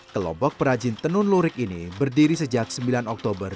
kelompok perajin tenun lurik ini berdiri sejak sembilan oktober dua ribu sepuluh